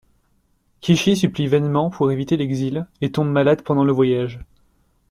Kishi supplie vainement pour éviter l'exil et tombe malade pendant le voyage.